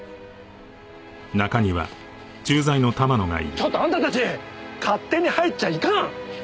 ちょっとあんたたち勝手に入っちゃいかん！